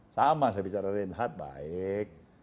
sama saya bicara dengan renhad baik